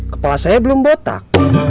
kepala saya belum botak